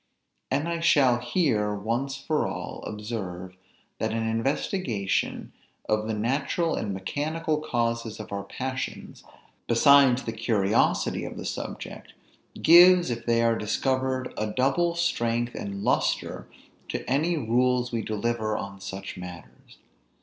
And I shall here, once for all, observe, that an investigation of the natural and mechanical causes of our passions, besides the curiosity of the subject, gives, if they are discovered, a double strength and lustre to any rules we deliver on such matters.